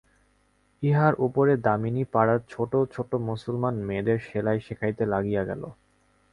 ইহার উপরে দামিনী পাড়ার ছোটো ছোটো মুসলমান মেয়েদের সেলাই শেখাইতে লাগিয়া গেল।